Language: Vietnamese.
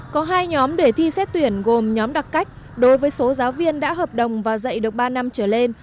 có hai nhóm để thi xét tuyển gồm nhóm đặc cách đối với số giáo viên đã hợp đồng và dạy được ba năm trở lên